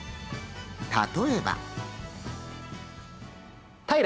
例えば。